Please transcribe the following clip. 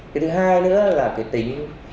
cái thứ hai nữa là cái tính